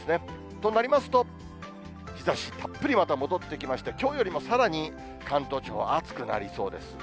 となりますと、日ざしたっぷりまた戻って来まして、きょうよりもさらに関東地方、暑くなりそうです。